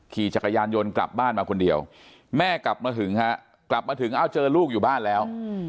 ขี่จักรยานยนต์กลับบ้านมาคนเดียวแม่กลับมาถึงเจอลูกอยู่บ้านแล้ว